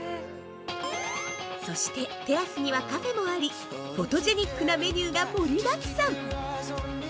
◆そしてテラスにはカフェもありフォトジェニックなメニューが盛りだくさん。